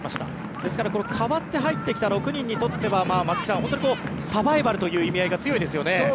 ですから、変わって入ってきた６人にとってはサバイバルという意味合いが強いですよね。